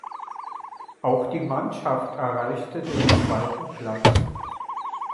Auch die Mannschaft erreichte den zweiten Platz.